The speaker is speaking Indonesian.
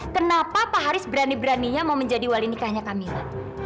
kenapa pak haris berani beraninya mau menjadi wali nikahnya kami mbak